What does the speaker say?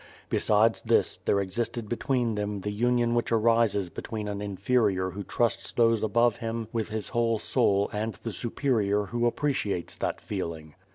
Besides this, there existed between them the union which arises be tween an inferior who trusts those above him with his whole soul and the superior who appreciates that feeling.